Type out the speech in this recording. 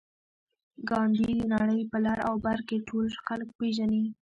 ګاندي د نړۍ په لر او بر کې ټول خلک پېژني